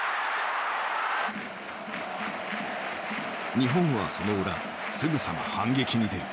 日本はその裏すぐさま反撃に出る。